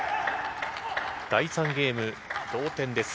第３ゲーム、同点です。